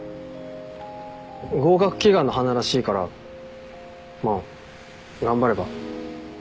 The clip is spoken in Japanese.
合格祈願の花らしいからまあ頑張れば？